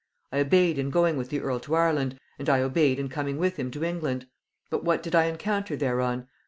I obeyed in going with the earl to Ireland, and I obeyed in coming with him to England. But what did I encounter thereon?